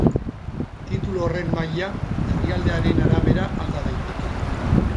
Titulu honen maila herrialdearen arabera alda daiteke.